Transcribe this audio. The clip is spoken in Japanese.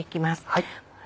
はい。